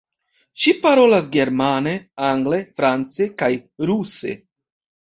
Ŝi parolas germane, angle, france kaj ruse.